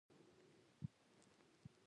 هو، نستوه د ژوند جنګ پهٔ یوازې سر وګاټهٔ!